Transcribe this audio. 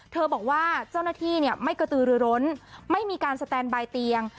บอกว่าเจ้าหน้าที่ไม่กระตือรือร้นไม่มีการสแตนบายเตียง